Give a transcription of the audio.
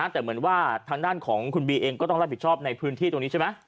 แต่เหมือนว่าทางด้านของคุณบีเองก็ต้องรับผิดชอบในพื้นที่ตรงนี้ใช่ไหม